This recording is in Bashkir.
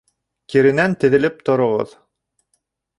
Киренән теҙелеп тороғоҙ.